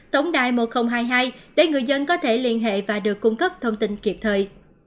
tổng đài một nghìn hai mươi hai để người dân có thể liên hệ và được cung cấp thông tin kịp thời